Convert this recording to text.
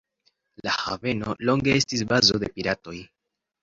La haveno longe estis bazo de piratoj.